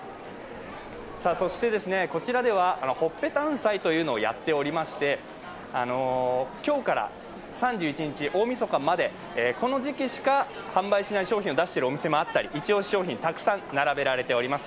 そしてこちらではほっぺタウン祭というのをやっておりまして今日から３１日、大みそかまで、この時期しか販売しない商品を出しているお店もあったりイチ押し商品、たくさん並べられています。